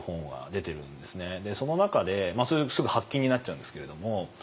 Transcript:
その中でそれすぐ発禁になっちゃうんですけれども。